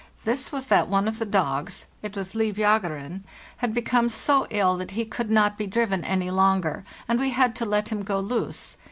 This was that one of the dogs (it was " Livjegeren") had become so ill that he could not be driven any longer, and we had to let him go loose.